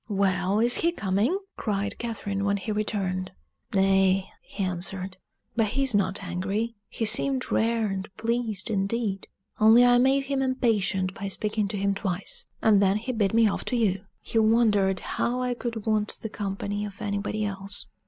"Well, is he coming?" cried Catherine, when he returned. "Nay," he answered; "but he's not angry: he seemed rare and pleased indeed; only I made him impatient by speaking to him twice: and then he bid me be off to you; he wondered how I could want the company of anybody else."